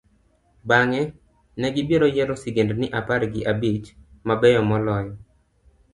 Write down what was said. bang'e, ne gibiro yiero sigendini apar gi abich mabeyo moloyo.